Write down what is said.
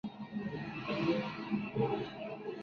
En invierno forman grupos cuando se alimentan.